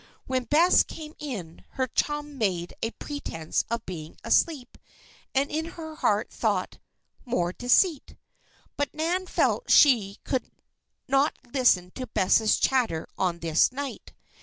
When Bess came in, her chum made a pretense of being asleep, and in her heart thought: "More deceit!" But Nan felt she could not listen to Bess' chatter on this night.